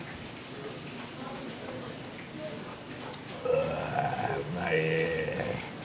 あうまい。